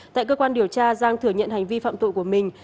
tại cơ quan điều tra giang thừa nhận hành vi phạm tội của mình